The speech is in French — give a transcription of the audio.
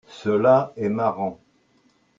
Cela est marrant.